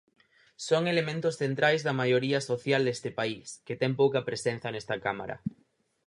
Son elementos centrais da maioría social deste país, que ten pouca presenza nesta Cámara.